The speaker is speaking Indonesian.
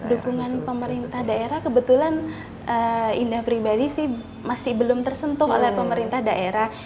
dukungan pemerintah daerah kebetulan indah pribadi sih masih belum tersentuh oleh pemerintah daerah